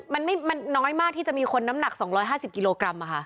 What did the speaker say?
มันน้อยมากที่จะมีคนน้ำหนัก๒๕๐กิโลกรัม